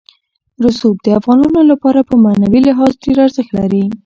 رسوب د افغانانو لپاره په معنوي لحاظ ډېر ارزښت لري.